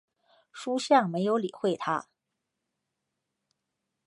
叔向没有理会他。